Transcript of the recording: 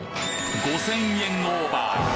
５０００円オーバー！